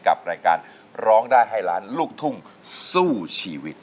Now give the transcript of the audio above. กับรายการร้องได้ให้ล้านลูกทุ่งสู้ชีวิต